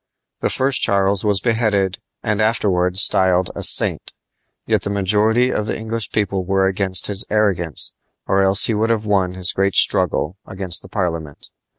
The first Charles was beheaded and afterward styled a "saint"; yet the majority of the English people were against his arrogance, or else he would have won his great struggle against Parliament.